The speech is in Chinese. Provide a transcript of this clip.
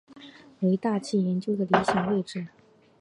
为大气研究的理想位置。